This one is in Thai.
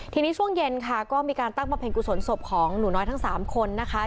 ทีนี้ช่วงเย็นค่ะก็มีการตั้งบำเพ็ญกุศลศพของหนูน้อยทั้ง๓คนนะคะ